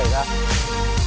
rồi chạy đây